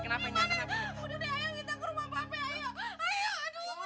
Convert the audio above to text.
aduh deh ayo kita ke rumah pape ayo